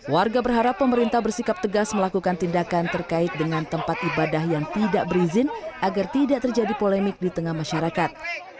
warga berharap pemerintah bersikap tegas melakukan tindakan terkait dengan tempat ibadah yang tidak berizin agar tidak terjadi polemik di tengah masyarakat